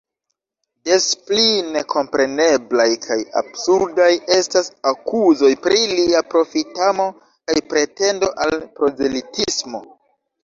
Des pli nekompreneblaj kaj absurdaj estas akuzoj pri lia profitamo kaj pretendo al prozelitismo.